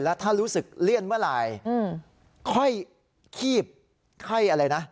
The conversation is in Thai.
แล้วถ้ารู้สึกเลี่ยนเมื่อไหร่ค่อยคีบไข้อะไรนะ